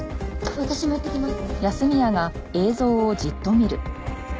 私も行ってきます。